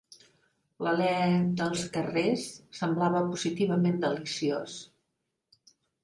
L'alè dels carrers semblava positivament deliciós.